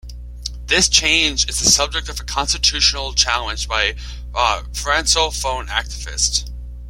This change is the subject of a constitutional challenge by francophone activists.